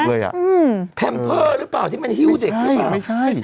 การแพมเภร์รึเปล่าที่มันทิ้วเจ็บ